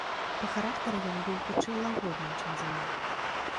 Па характары ён быў хутчэй лагодным, чым злым.